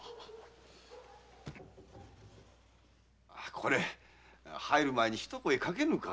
これ入る前に一声かけぬか。